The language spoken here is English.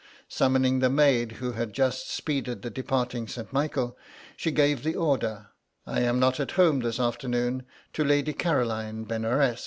Summoning the maid who had just speeded the departing St. Michael, she gave the order: "I am not at home this afternoon to Lady Caroline Benaresq."